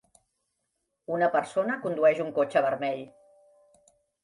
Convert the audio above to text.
Una persona condueix un cotxe vermell.